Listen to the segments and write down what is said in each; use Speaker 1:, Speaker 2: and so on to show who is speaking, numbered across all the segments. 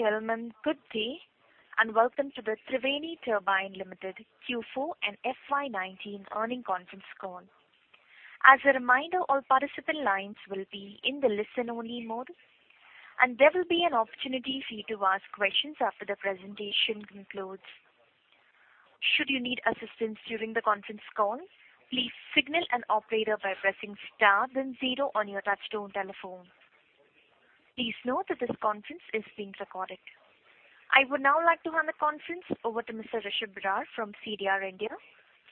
Speaker 1: Ladies and gentlemen, good day, and welcome to the Triveni Turbine Limited Q4 and FY 2019 earnings conference call. As a reminder, all participant lines will be in the listen-only mode, and there will be an opportunity for you to ask questions after the presentation concludes. Should you need assistance during the conference call, please signal an operator by pressing * then zero on your touch-tone telephone. Please note that this conference is being recorded. I would now like to hand the conference over to Mr. Rishab Barar from CDR India.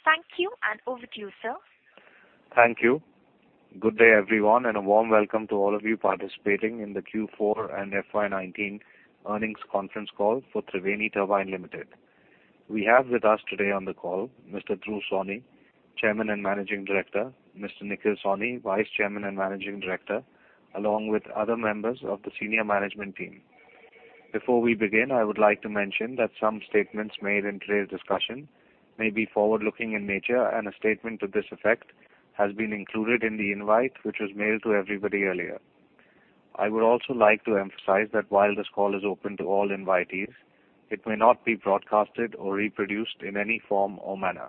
Speaker 1: Thank you, over to you, sir.
Speaker 2: Thank you. Good day, everyone, a warm welcome to all of you participating in the Q4 and FY 2019 earnings conference call for Triveni Turbine Limited. We have with us today on the call Mr. Dhruv Sawhney, Chairman and Managing Director, Mr. Nikhil Sawhney, Vice Chairman and Managing Director, along with other members of the senior management team. Before we begin, I would like to mention that some statements made in today's discussion may be forward-looking in nature, a statement to this effect has been included in the invite, which was mailed to everybody earlier. I would also like to emphasize that while this call is open to all invitees, it may not be broadcasted or reproduced in any form or manner.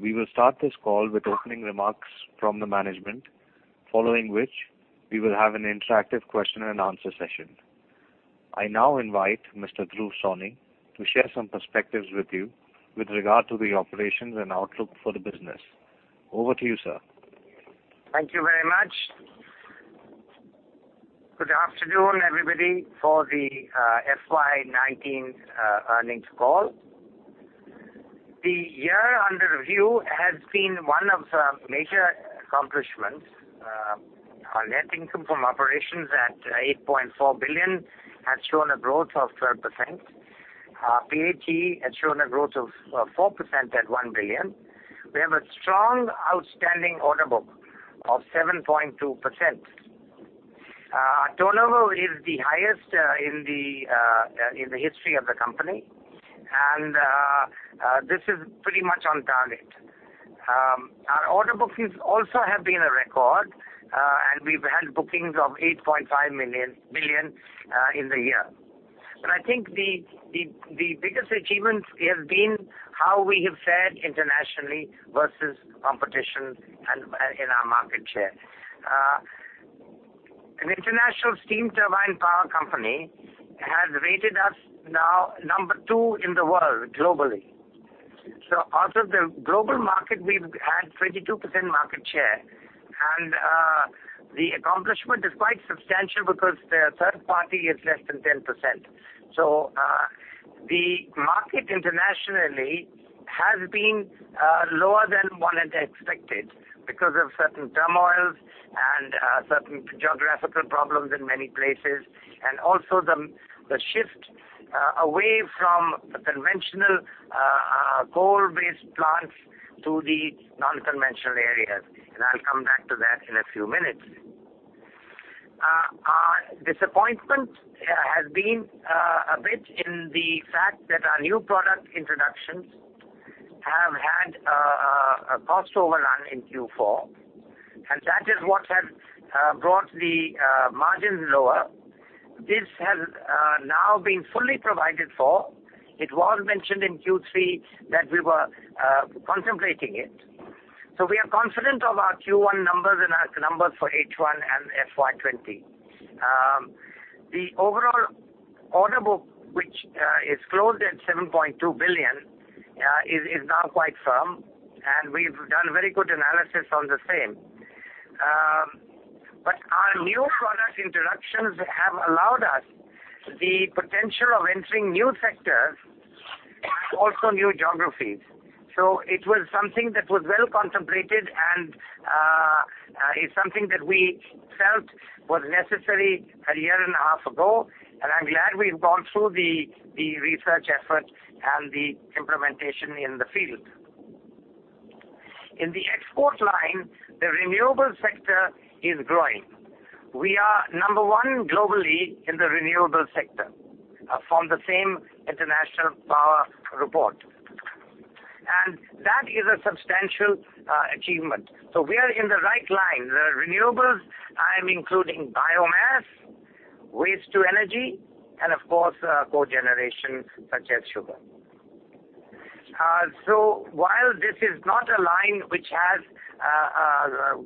Speaker 2: We will start this call with opening remarks from the management. Following which, we will have an interactive question and answer session. I now invite Mr. Dhruv Sawhney to share some perspectives with you with regard to the operations and outlook for the business. Over to you, sir.
Speaker 3: Thank you very much. Good afternoon, everybody, for the FY 2019 earnings call. The year under review has been one of major accomplishments. Our net income from operations at 8.4 billion has shown a growth of 12%. Our PAT has shown a growth of 4% at 1 billion. We have a strong outstanding order book of 7.2%. Our turnover is the highest in the history of the company, this is pretty much on target. Our order bookings also have been a record, we've had bookings of 8.5 billion in the year. I think the biggest achievement has been how we have fared internationally versus competition and in our market share. An international steam turbine power company has rated us now number 2 in the world globally. Out of the global market, we've had 22% market share and the accomplishment is quite substantial because their third party is less than 10%. The market internationally has been lower than one had expected because of certain turmoils and certain geographical problems in many places, and also the shift away from conventional coal-based plants to the non-conventional areas. I'll come back to that in a few minutes. Our disappointment has been a bit in the fact that our new product introductions have had a cost overrun in Q4, and that is what has brought the margins lower. This has now been fully provided for. It was mentioned in Q3 that we were contemplating it. We are confident of our Q1 numbers and our numbers for H1 and FY 2020. The overall order book, which is closed at 7.2 billion, is now quite firm, and we've done very good analysis on the same. Our new product introductions have allowed us the potential of entering new sectors and also new geographies. It was something that was well contemplated and is something that we felt was necessary a year and a half ago, and I'm glad we've gone through the research effort and the implementation in the field. In the export line, the renewable sector is growing. We are number one globally in the renewable sector from the same international power report. That is a substantial achievement. We are in the right line. The renewables, I'm including biomass, waste to energy, and of course, cogeneration such as sugar. While this is not a line which has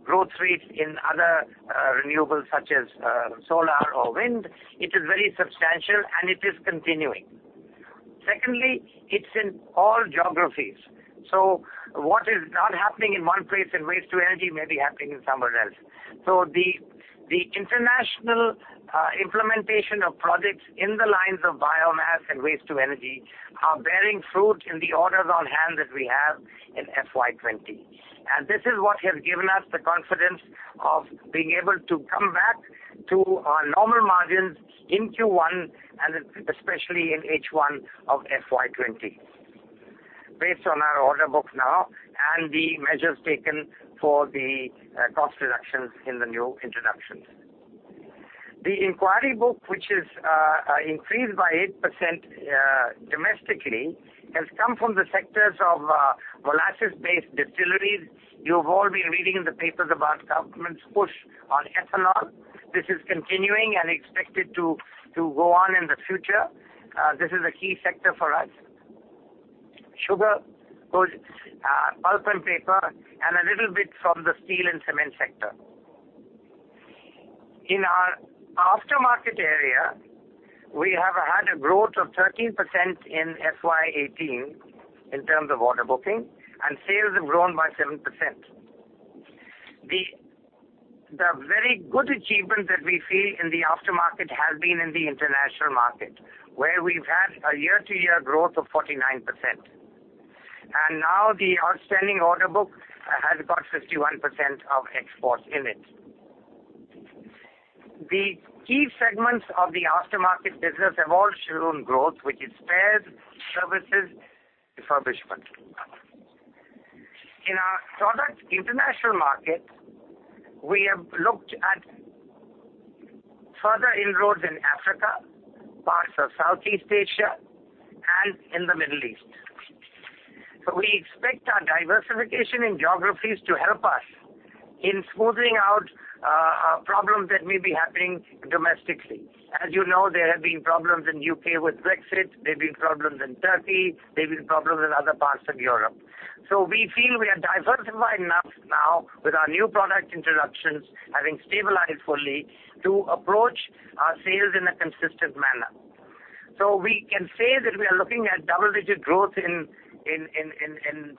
Speaker 3: growth rates in other renewables such as solar or wind, it is very substantial, and it is continuing. Secondly, it's in all geographies. What is not happening in one place in waste to energy may be happening somewhere else. The international implementation of projects in the lines of biomass and waste to energy are bearing fruit in the orders on hand that we have in FY 2020. This is what has given us the confidence of being able to come back to our normal margins in Q1 and especially in H1 of FY 2020 based on our order book now and the measures taken for the cost reductions in the new introductions. The inquiry book, which is increased by 8% domestically, has come from the sectors of molasses-based distilleries. You've all been reading in the papers about government's push on ethanol. This is continuing and expected to go on in the future. This is a key sector for us. Sugar, pulp and paper, and a little bit from the steel and cement sector. In our aftermarket area, we have had a growth of 13% in FY 2018 in terms of order booking, and sales have grown by 7%. The very good achievement that we see in the aftermarket has been in the international market, where we've had a year-to-year growth of 49%. Now the outstanding order book has got 51% of exports in it. The key segments of the aftermarket business have all shown growth, which is spares, services, refurbishment. In our product international market, we have looked at further inroads in Africa, parts of Southeast Asia, and in the Middle East. We expect our diversification in geographies to help us in smoothing out problems that may be happening domestically. You know, there have been problems in U.K. with Brexit, there have been problems in Turkey, there have been problems in other parts of Europe. We feel we are diversified enough now with our new product introductions, having stabilized fully to approach our sales in a consistent manner. We can say that we are looking at double-digit growth in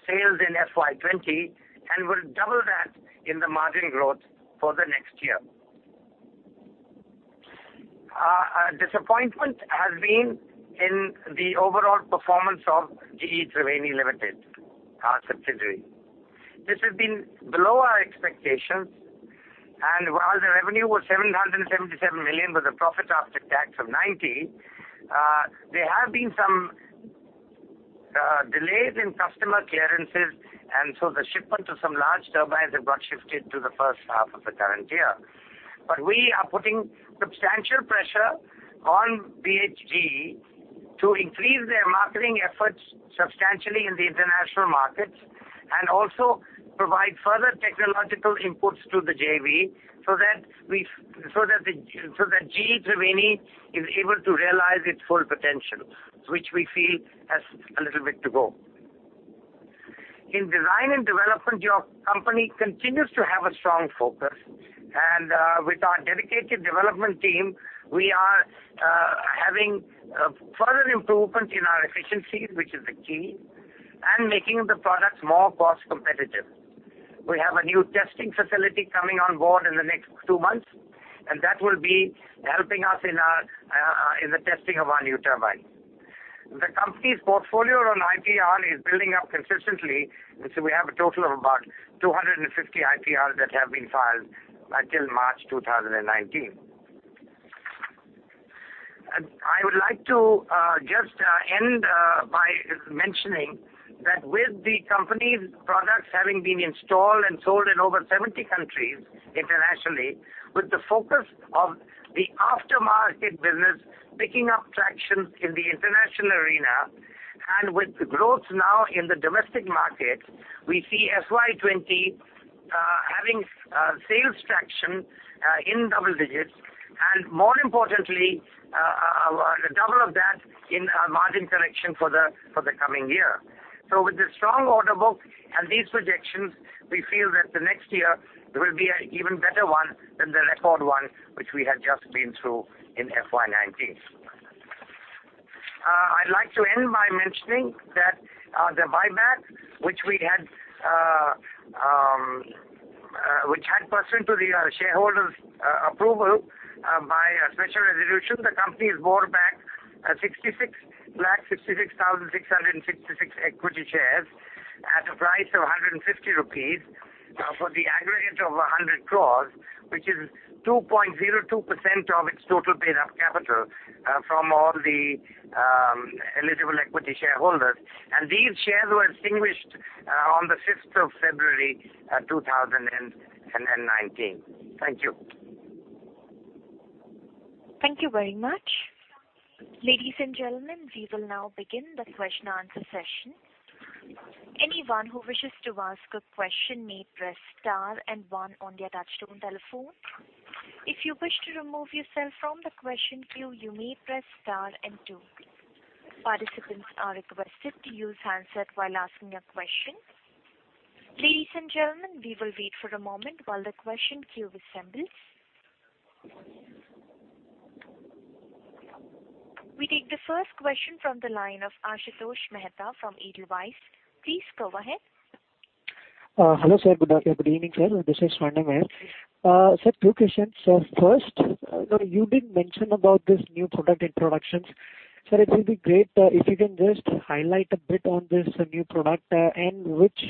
Speaker 3: sales in FY 2020, and we'll double that in the margin growth for the next year. Our disappointment has been in the overall performance of GE Triveni Limited, our subsidiary. This has been below our expectations. While the revenue was 777 million, with a profit after tax of 90, there have been some delays in customer clearances. The shipment of some large turbines have got shifted to the first half of the current year. We are putting substantial pressure on BHGE to increase their marketing efforts substantially in the international markets, and also provide further technological inputs to the JV, so that GE Triveni is able to realize its full potential, which we feel has a little bit to go. In design and development, the company continues to have a strong focus. With our dedicated development team, we are having further improvements in our efficiencies, which is the key, and making the products more cost competitive. We have a new testing facility coming on board in the next two months. That will be helping us in the testing of our new turbine. The company's portfolio on IPR is building up consistently. We have a total of about 250 IPR that have been filed till March 2019. I would like to just end by mentioning that with the company's products having been installed and sold in over 70 countries internationally, with the focus of the aftermarket business picking up traction in the international arena, and with growth now in the domestic market, we see FY 2020 having sales traction in double digits, and more importantly, the double of that in our margin collection for the coming year. With the strong order book and these projections, we feel that the next year will be an even better one than the record one which we have just been through in FY 2019. I'd like to end by mentioning the buyback, which had pursuant to the shareholders' approval by a special resolution. The company has bought back 66,666 equity shares at a price of 150 rupees for the aggregate of 100 crores, which is 2.02% of its total paid-up capital from all the eligible equity shareholders. These shares were extinguished on the 5th of February 2019. Thank you.
Speaker 1: Thank you very much. Ladies and gentlemen, we will now begin the question and answer session. Anyone who wishes to ask a question may press star and one on their touchtone telephone. If you wish to remove yourself from the question queue, you may press star and two. Participants are requested to use handset while asking a question. Ladies and gentlemen, we will wait for a moment while the question queue assembles. We take the first question from the line of Ashutosh Mehta from Edelweiss. Please go ahead.
Speaker 4: Hello, sir. Good evening, sir. This is. Sir, two questions. First, you did mention about this new product introductions. Sir, it will be great if you can just highlight a bit on this new product and which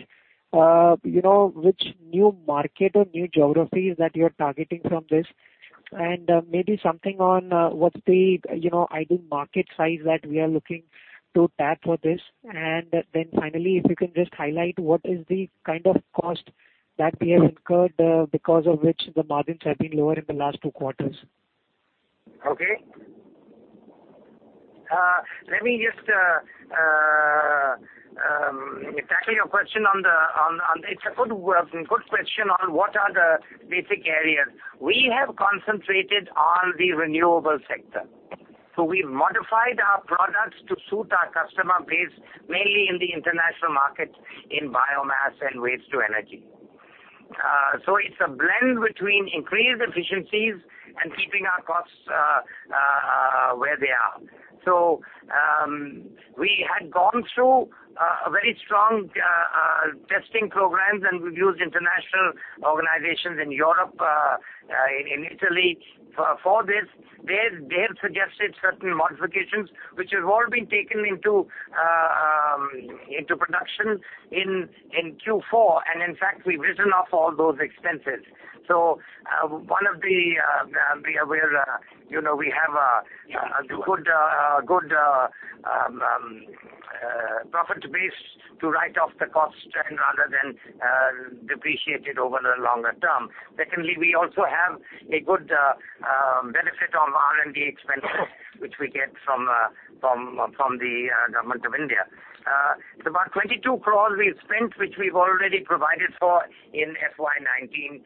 Speaker 4: new market or new geographies that you're targeting from this. Maybe something on what's the ideal market size that we are looking to tap for this. Then finally, if you can just highlight what is the kind of cost that we have incurred, because of which the margins have been lower in the last two quarters.
Speaker 3: Okay. Let me just tackle your question on. It's a good question on what are the basic areas. We have concentrated on the renewable sector. We've modified our products to suit our customer base, mainly in the international market, in biomass and waste to energy. It's a blend between increased efficiencies and keeping our costs where they are. We had gone through a very strong testing program, and we've used international organizations in Europe, in Italy for this. They've suggested certain modifications, which have all been taken into production in Q4. In fact, we've written off all those expenses. We have a good profit base to write off the cost rather than depreciate it over the longer term. Secondly, we also have a good benefit on R&D expenses, which we get from the government of India. It's about 22 crore we've spent, which we've already provided for in FY 2019.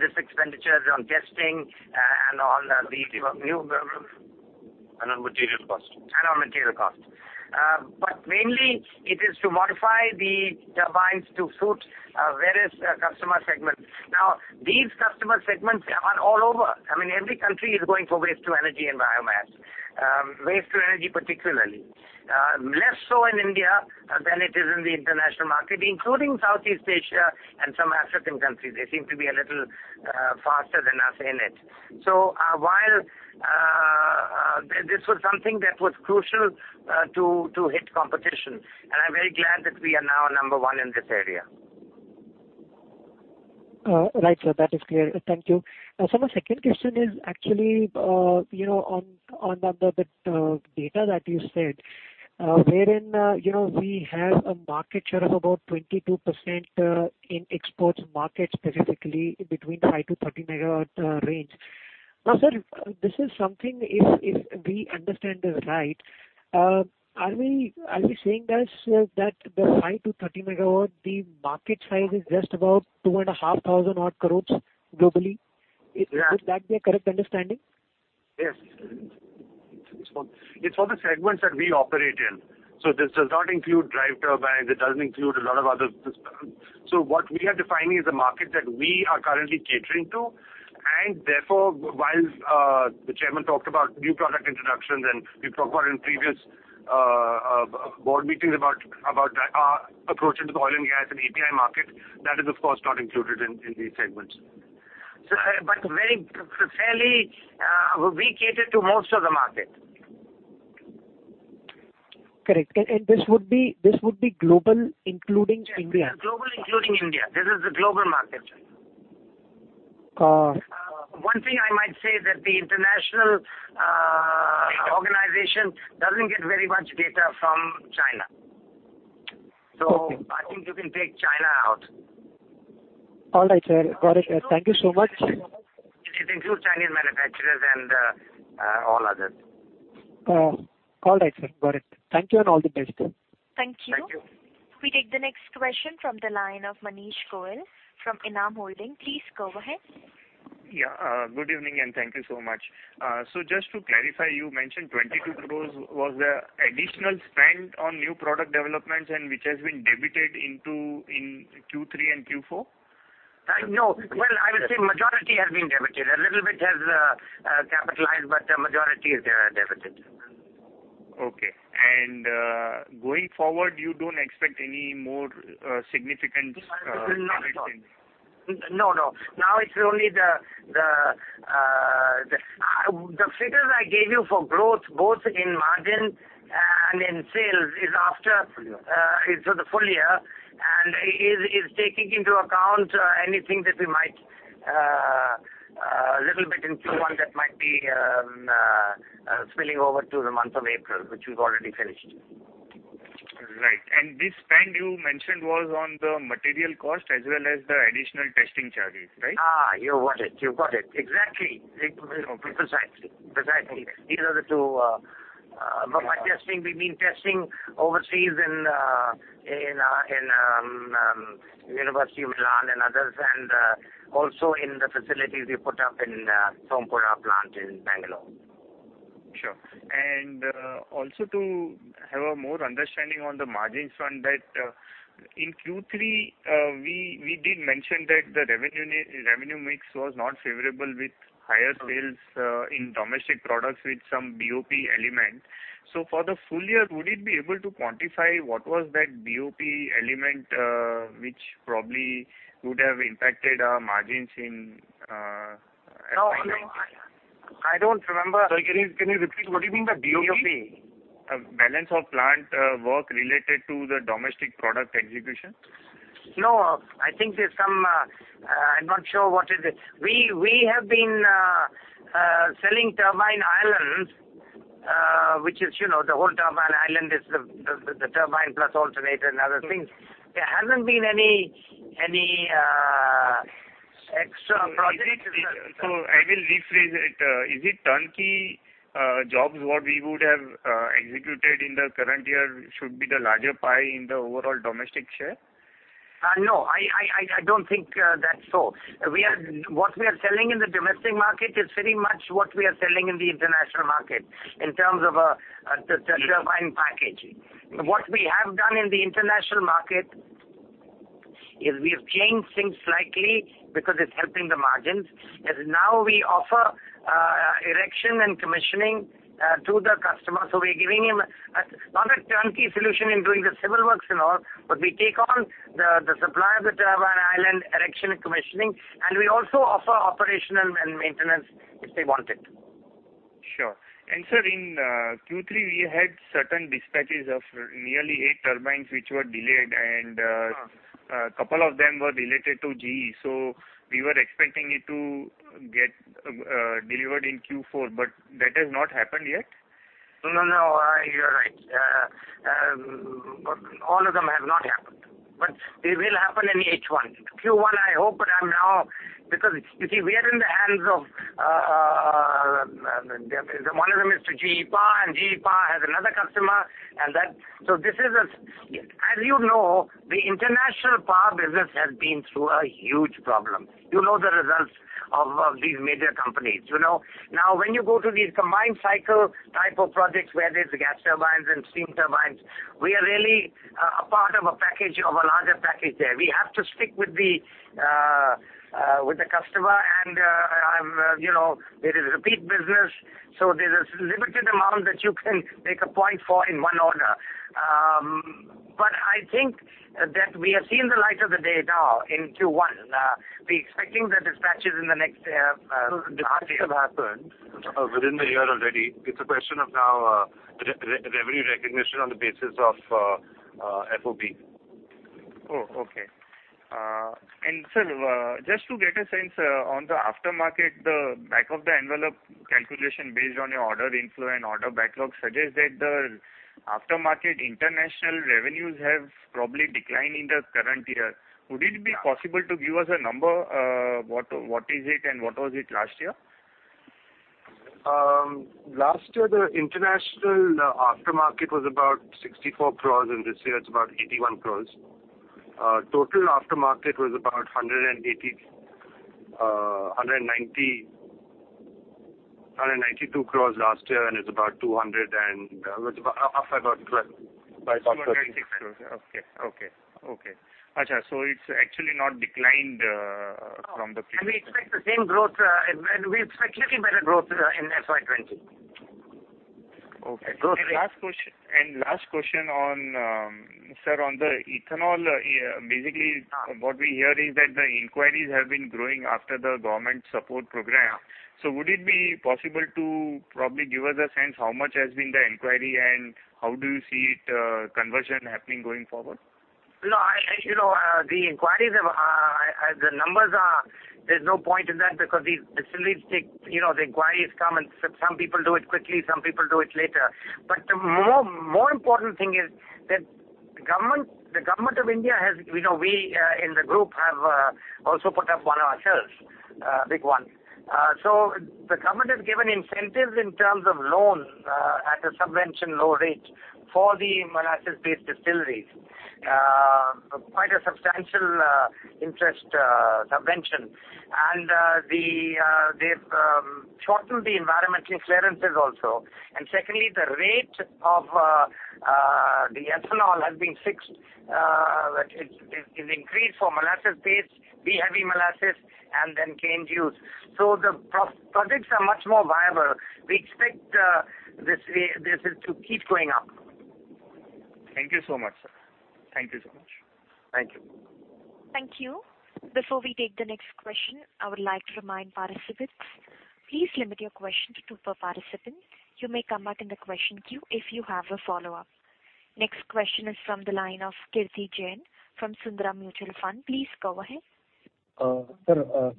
Speaker 3: This expenditure is on testing.
Speaker 5: On material cost.
Speaker 3: On material cost. Mainly, it is to modify the turbines to suit various customer segments. These customer segments are all over. Every country is going for waste to energy and biomass. Waste to energy, particularly. Less so in India than it is in the international market, including Southeast Asia and some African countries. They seem to be a little faster than us in it. While this was something that was crucial to hit competition, and I'm very glad that we are now number one in this area.
Speaker 4: Right, sir. That is clear. Thank you. Sir, my second question is actually on the data that you said, wherein we have a market share of about 22% in exports market, specifically between five megawatt-30 megawatt range. Sir, this is something, if we understand this right, are we saying that the five megawatt-30 megawatt, the market size is just about 2,500 odd crore globally?
Speaker 3: Yeah.
Speaker 4: Would that be a correct understanding?
Speaker 3: Yes.
Speaker 5: It's for the segments that we operate in. This does not include drive turbines. It doesn't include a lot of other systems. What we are defining is the market that we are currently catering to, and therefore, while the Chairman talked about new product introductions and we've talked about in previous board meetings about our approach into the oil and gas and API market, that is, of course, not included in these segments.
Speaker 3: Sir, very fairly, we cater to most of the market.
Speaker 4: Correct. This would be global, including India.
Speaker 3: Yes. Global, including India. This is the global market. One thing I might say that the international organization doesn't get very much data from China.
Speaker 4: Okay.
Speaker 3: I think you can take China out.
Speaker 4: All right, sir. Got it. Thank you so much.
Speaker 3: It includes Chinese manufacturers and all others.
Speaker 4: All right, sir. Got it. Thank you, and all the best.
Speaker 1: Thank you.
Speaker 3: Thank you.
Speaker 1: We take the next question from the line of Manish Goyal from Enam Holdings. Please go ahead.
Speaker 6: Yeah. Good evening, and thank you so much. Just to clarify, you mentioned 22 crores was the additional spend on new product developments and which has been debited in Q3 and Q4?
Speaker 3: No. Well, I would say majority has been debited. A little bit has capitalized, the majority is debited.
Speaker 6: Okay. Going forward, you don't expect any more significant capital?
Speaker 3: No. The figures I gave you for growth, both in margin and in sales, is after the full year and is taking into account anything that A little bit in Q1 that might be spilling over to the month of April, which we've already finished.
Speaker 6: Right. This spend you mentioned was on the material cost as well as the additional testing charges, right?
Speaker 3: You got it. Exactly. Precisely. These are the two. By testing, we mean testing overseas in University of Milan and others, and also in the facilities we put up in Sompura plant in Bangalore.
Speaker 6: Sure. Also to have a more understanding on the margins front that in Q3, we did mention that the revenue mix was not favorable with higher sales in domestic products with some BOP element. For the full year, would it be able to quantify what was that BOP element which probably would have impacted our margins in FY 2019?
Speaker 3: No, I don't remember.
Speaker 5: Sir, can you repeat? What do you mean by BOP?
Speaker 6: BOP. Balance of plant work related to the domestic product execution.
Speaker 3: I'm not sure what is it. We have been selling turbine islands, which is the whole turbine island is the turbine plus alternator and other things. There hasn't been any extra project.
Speaker 6: I will rephrase it. Is it turnkey jobs, what we would have executed in the current year should be the larger pie in the overall domestic share?
Speaker 3: I don't think that's so. What we are selling in the domestic market is pretty much what we are selling in the international market in terms of the turbine package. What we have done in the international market is we have changed things slightly because it's helping the margins. Now we offer erection and commissioning to the customer. We're giving him not a turnkey solution in doing the civil works and all, but we take on the supply of the turbine island erection and commissioning, and we also offer operational and maintenance if they want it.
Speaker 6: Sure. Sir, in Q3, we had certain dispatches of nearly eight turbines which were delayed, and a couple of them were related to GE. We were expecting it to get delivered in Q4. That has not happened yet.
Speaker 3: No, you're right. All of them have not happened. They will happen in H1. Q1, I hope. Because you see, we are in the hands of. One of them is to GE Power, and GE Power has another customer. As you know, the international power business has been through a huge problem. You know the results of these major companies. When you go to these combined cycle type of projects where there's gas turbines and steam turbines, we are really a part of a package of a larger package there. We have to stick with the customer. It is a peak business. There's a limited amount that you can make a point for in one order. I think that we have seen the light of the day now in Q1. We're expecting the dispatches in the next half year. Dispatches have happened within the year already. It's a question of now revenue recognition on the basis of FOB.
Speaker 6: Oh, okay. Sir, just to get a sense on the aftermarket, the back-of-the-envelope calculation based on your order inflow and order backlog suggests that the aftermarket international revenues have probably declined in the current year. Would it be possible to give us a number? What is it and what was it last year?
Speaker 3: Last year, the international aftermarket was about 64 crores. This year it's about 81 crores. Total aftermarket was about 192 crores last year. It's up by about 12. 296 crores.
Speaker 6: Okay. It's actually not declined from the previous year.
Speaker 3: We expect the same growth. We expect slightly better growth in FY 2020.
Speaker 6: Okay. Last question. Sir, on the ethanol, basically what we hear is that the inquiries have been growing after the government support program. Would it be possible to probably give us a sense how much has been the inquiry, and how do you see conversion happening going forward?
Speaker 3: The inquiries, the numbers are, there's no point in that because the inquiries come, and some people do it quickly, some people do it later. The more important thing is that the government of India has. We in the group have also put up one ourselves, a big one. The government has given incentives in terms of loans at a subvention low rate for the molasses-based distilleries. Quite a substantial interest subvention. They've shortened the environmental clearances also. Secondly, the rate of the ethanol has been fixed. It is increased for molasses-based, the heavy molasses, and then cane juice. The projects are much more viable. We expect this to keep going up.
Speaker 6: Thank you so much, sir. Thank you so much. Thank you.
Speaker 1: Thank you. Before we take the next question, I would like to remind participants, please limit your questions to two per participant. You may come back in the question queue if you have a follow-up. Next question is from the line of Kirthi Jain from Sundaram Mutual Fund. Please go ahead.
Speaker 7: Sir,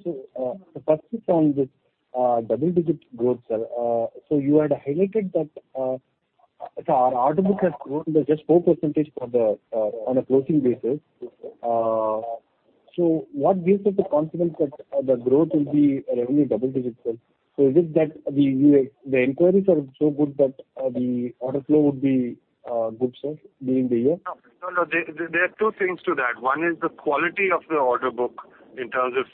Speaker 7: firstly on this double-digit growth, you had highlighted that our order book has grown by just 4% on a closing basis. What gives us the confidence that the growth will be revenue double digits? Is it that the inquiries are so good that the order flow would be good, sir, during the year?
Speaker 3: No, there are two things to that. One is the quality of the order book in terms of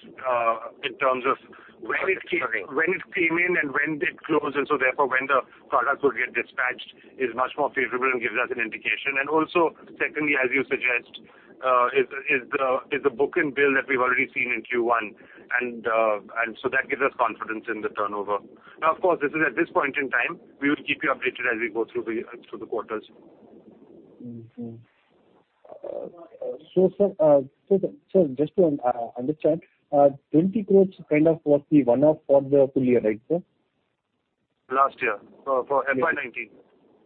Speaker 3: when it came in and when did it close and so therefore when the products will get dispatched is much more favorable and gives us an indication. Also, secondly, as you suggest, is the book and bill that we've already seen in Q1, and so that gives us confidence in the turnover. Of course, this is at this point in time. We will keep you updated as we go through the quarters.
Speaker 7: Sir, just to understand, 20 crores kind of was the one-off for the full year, right sir?
Speaker 3: Last year, for FY19.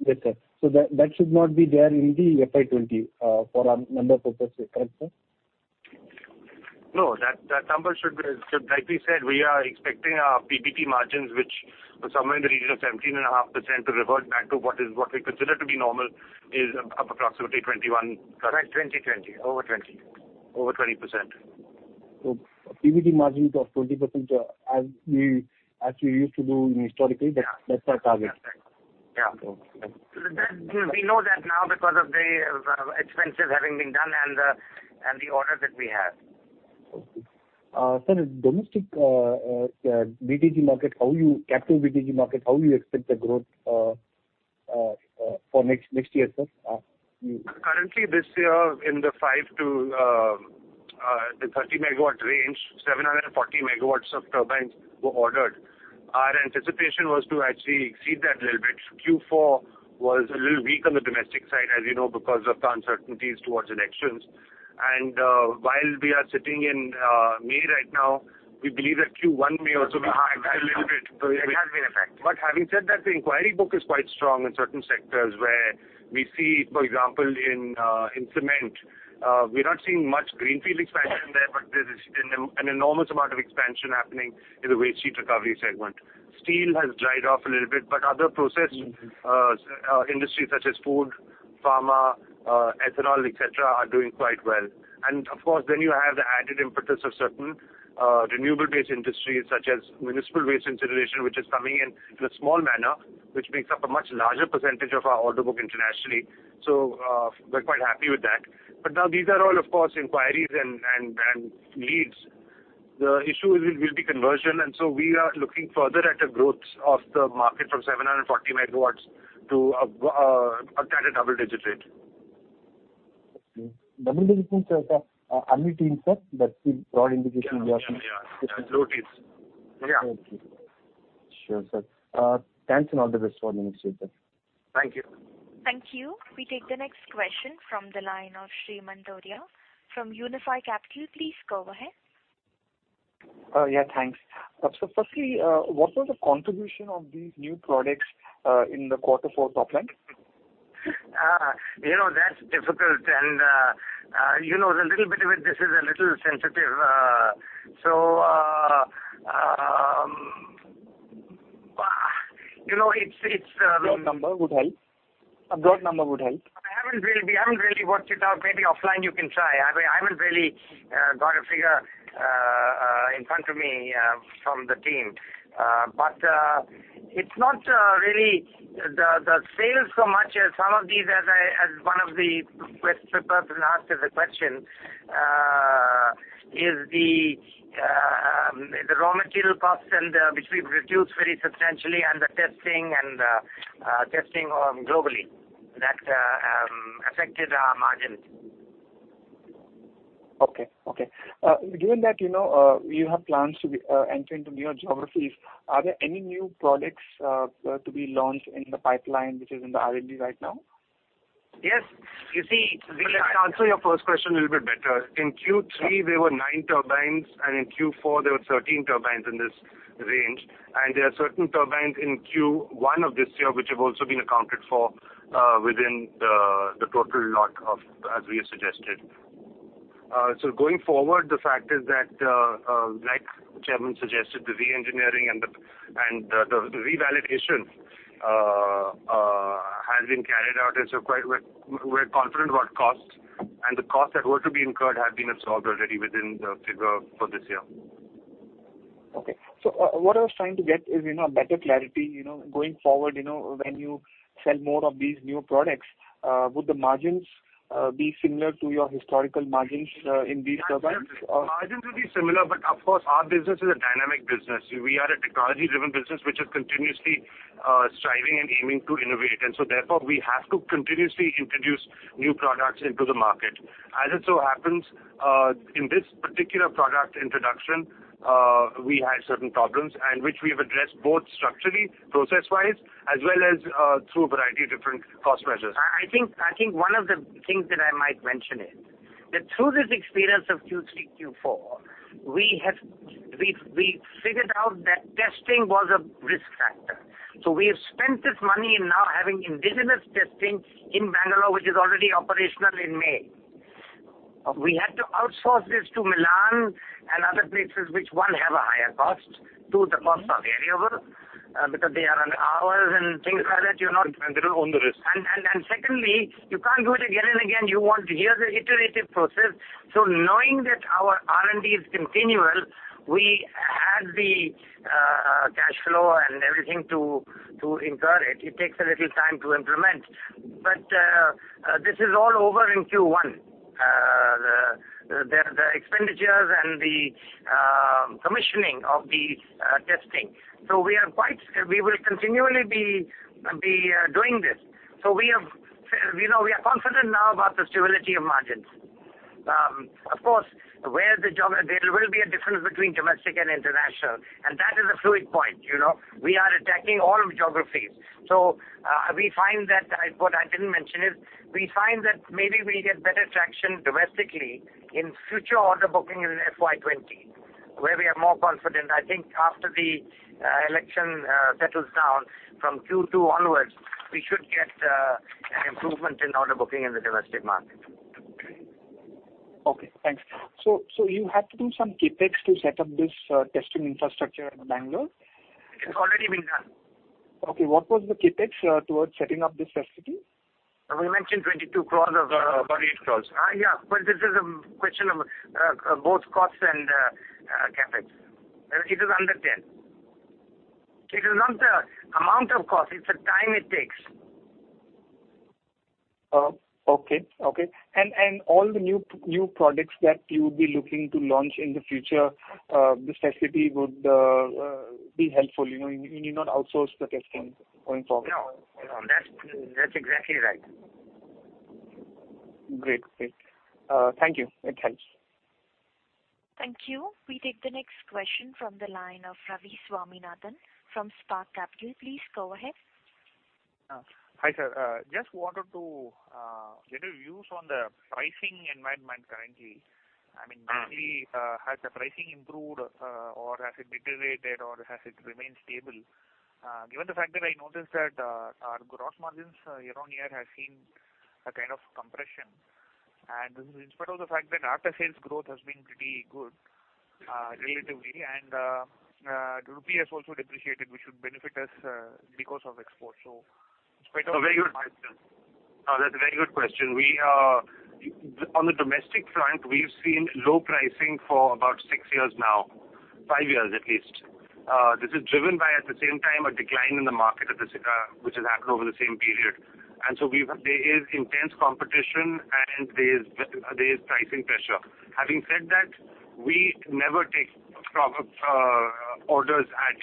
Speaker 7: Yes, sir. That should not be there in the FY20 for our number purpose. Correct, sir?
Speaker 3: No, that number should be, like we said, we are expecting our PBT margins, which were somewhere in the region of 17.5%, to revert back to what we consider to be normal, is up approximately 21.
Speaker 7: Correct. 2020, over 20.
Speaker 3: Over 20%.
Speaker 7: PBT margins of 20%, as we used to do historically, that's our target.
Speaker 3: Yeah.
Speaker 7: Okay.
Speaker 3: We know that now because of the expenses having been done and the orders that we have.
Speaker 7: Okay. Sir, domestic BTG market, capital BTG market, how you expect the growth for next year, sir?
Speaker 5: Currently this year, in the five to the 30 megawatt range, 740 megawatts of turbines were ordered. Our anticipation was to actually exceed that little bit. Q4 was a little weak on the domestic side, as you know, because of the uncertainties towards elections. While we are sitting in May right now, we believe that Q1 may also be impacted a little bit.
Speaker 3: It has been affected.
Speaker 5: Having said that, the inquiry book is quite strong in certain sectors where we see, for example, in cement, we're not seeing much greenfield expansion there, but there's an enormous amount of expansion happening in the waste heat recovery segment. Steel has dried off a little bit, but other process industries such as food, pharma, ethanol, et cetera, are doing quite well. Of course, then you have the added impetus of certain renewable-based industries such as municipal waste incineration, which is coming in in a small manner, which makes up a much larger percentage of our order book internationally. We're quite happy with that. Now these are all, of course, inquiries and leads. The issue will be conversion, we are looking further at a growth of the market from 740 megawatts to at a double-digit rate.
Speaker 7: Okay. Double-digit means annually, sir? That's the broad indication.
Speaker 5: Yeah. Low teens. Yeah.
Speaker 7: Okay. Sure, sir. Thanks and all the best for the next quarter.
Speaker 5: Thank you.
Speaker 1: Thank you. We take the next question from the line of Shree Mantoria from Unifi Capital. Please go ahead.
Speaker 8: Yeah, thanks. Sir, firstly, what was the contribution of these new products in the quarter for top line?
Speaker 3: That's difficult and a little bit of it, this is a little sensitive.
Speaker 8: A broad number would help.
Speaker 3: We haven't really worked it out. Maybe offline you can try. I haven't really got a figure in front of me from the team. It's not really the sales so much as some of these, as one of the person asked as a question, is the raw material costs and which we've reduced very substantially and the testing globally. That affected our margins.
Speaker 8: Okay. Given that you have plans to enter into new geographies, are there any new products to be launched in the pipeline which is in the R&D right now?
Speaker 5: Yes. To answer your first question a little bit better, in Q3, there were nine turbines, and in Q4, there were 13 turbines in this range, and there are certain turbines in Q1 of this year, which have also been accounted for within the total lot as we have suggested. Going forward, the fact is that, like chairman suggested, the re-engineering and the revalidation has been carried out, we're confident about costs, the costs that were to be incurred have been absorbed already within the figure for this year.
Speaker 8: Okay. What I was trying to get is better clarity. Going forward, when you sell more of these new products, would the margins be similar to your historical margins in these turbines?
Speaker 5: Margins will be similar, of course, our business is a dynamic business. We are a technology-driven business, which is continuously striving and aiming to innovate, therefore, we have to continuously introduce new products into the market. As it so happens, in this particular product introduction, we had certain problems, which we have addressed both structurally, process-wise, as well as through a variety of different cost measures.
Speaker 3: I think one of the things that I might mention is that through this experience of Q3, Q4, we figured out that testing was a risk factor. We have spent this money in now having indigenous testing in Bengaluru, which is already operational in May. We had to outsource this to Milan and other places, which, 1, have a higher cost. 2, the costs are variable, because they are on hours and things like that.
Speaker 5: They don't own the risk.
Speaker 3: Secondly, you can't do it again and again. Here's the iterative process. Knowing that our R&D is continual, we had the cash flow and everything to incur it. It takes a little time to implement. This is all over in Q1, the expenditures and the commissioning of these testing. We will continually be doing this. We are confident now about the stability of margins. Of course, there will be a difference between domestic and international, and that is a fluid point. We are attacking all geographies. What I didn't mention is, we find that maybe we get better traction domestically in future order booking in FY 2020, where we are more confident. I think after the election settles down from Q2 onwards, we should get an improvement in order booking in the domestic market.
Speaker 8: Okay, thanks. You had to do some CapEx to set up this testing infrastructure in Bengaluru?
Speaker 3: It's already been done.
Speaker 5: What was the CapEx towards setting up this facility?
Speaker 3: We mentioned 22 crore.
Speaker 5: About 8 crore.
Speaker 3: Yeah. This is a question of both cost and CapEx. It is under 10. It is not the amount of cost, it's the time it takes.
Speaker 5: Okay. All the new products that you would be looking to launch in the future, this facility would be helpful. You need not outsource the testing going forward.
Speaker 3: No, that's exactly right.
Speaker 5: Great. Thank you. It helps.
Speaker 1: Thank you. We take the next question from the line of Ravi Swaminathan from Spark Capital. Please go ahead.
Speaker 9: Hi, sir. Just wanted to get your views on the pricing environment currently. Mainly, has the pricing improved or has it deteriorated or has it remained stable? Given the fact that I noticed that our gross margins year-on-year has seen a kind of compression, and this is in spite of the fact that after-sales growth has been pretty good relatively and the rupee has also depreciated, which should benefit us because of export.
Speaker 5: A very good question. On the domestic front, we've seen low pricing for about six years now. Five years at least. This is driven by, at the same time, a decline in the market which has happened over the same period. There is intense competition and there is pricing pressure. Having said that, we never take orders at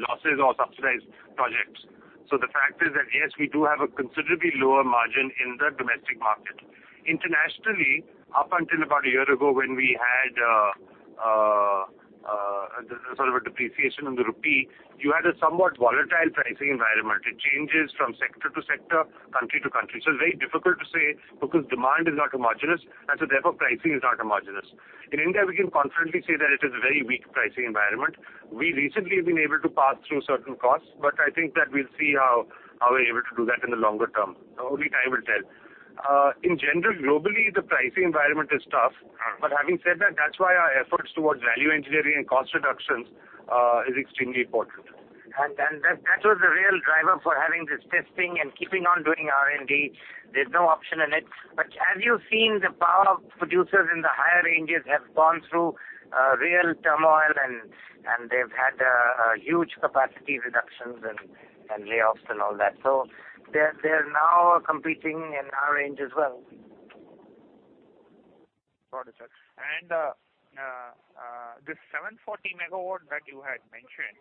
Speaker 5: losses or subsidized projects. The fact is that, yes, we do have a considerably lower margin in the domestic market. Internationally, up until about a year ago when we had a sort of a depreciation on the rupee, you had a somewhat volatile pricing environment. It changes from sector to sector, country to country. It's very difficult to say because demand is not homogenous and therefore pricing is not homogenous. In India, we can confidently say that it is a very weak pricing environment. We recently have been able to pass through certain costs, I think that we'll see how we're able to do that in the longer term. Only time will tell. In general, globally, the pricing environment is tough. Having said that's why our efforts towards value engineering and cost reductions is extremely important.
Speaker 3: That was the real driver for having this testing and keeping on doing R&D. There's no option in it. As you've seen, the power producers in the higher ranges have gone through real turmoil and they've had huge capacity reductions and layoffs and all that. They're now competing in our range as well.
Speaker 9: Got it, sir. This 740 MW that you had mentioned,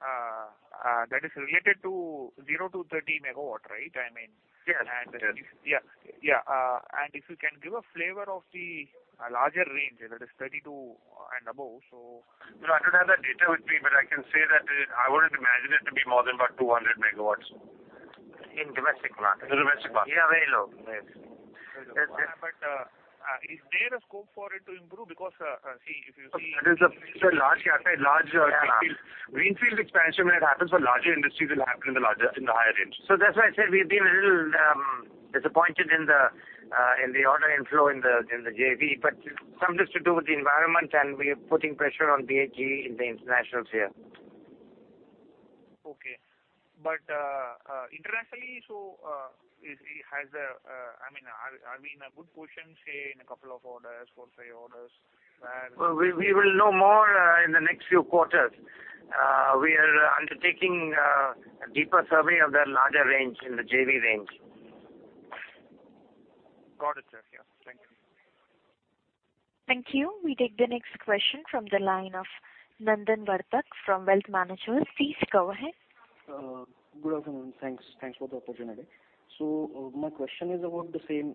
Speaker 9: that is related to 0 to 30 MW, right?
Speaker 5: Yes.
Speaker 9: Yeah. If you can give a flavor of the larger range that is 32 and above.
Speaker 5: I don't have that data with me, but I can say that I wouldn't imagine it to be more than about 200 MW.
Speaker 3: In domestic market.
Speaker 5: In domestic market.
Speaker 3: Yeah, very low.
Speaker 9: Is there a scope for it to improve?
Speaker 5: That is a large greenfield expansion that happens for larger industries will happen in the higher range.
Speaker 3: That's why I said we've been a little disappointed in the order inflow in the JV, but some just to do with the environment and we are putting pressure on BHGE in the international sphere.
Speaker 9: Internationally, are we in a good position, say, in a couple of orders, four, five orders?
Speaker 3: We will know more in the next few quarters. We are undertaking a deeper survey of the larger range in the JV range.
Speaker 9: Got it, sir. Yeah. Thank you.
Speaker 1: Thank you. We take the next question from the line of Nandan Vartak from Wealth Management. Please go ahead.
Speaker 10: Good afternoon. Thanks for the opportunity. My question is about the same,